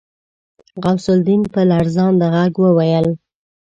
غوث الدين په لړزانده غږ وويل.